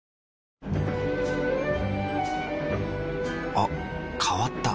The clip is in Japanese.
あ変わった。